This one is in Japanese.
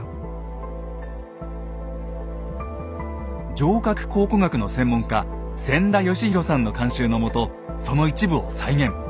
城郭考古学の専門家千田嘉博さんの監修のもとその一部を再現。